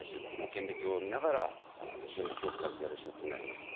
顕微鏡を見ながら非常に気を遣ってやる手術になります。